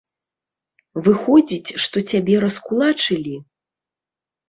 Выходзіць, што цябе раскулачылі?